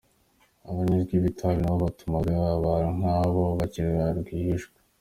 Abanywi b’itabi nabo batumaga abantu nk’abo, bakarinywa rwihishwa.